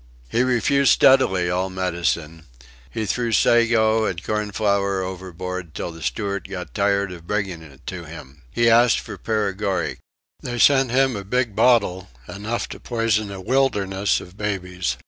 He refused steadily all medicine; he threw sago and cornflour overboard till the steward got tired of bringing it to him. He asked for paregoric. They sent him a big bottle; enough to poison a wilderness of babies.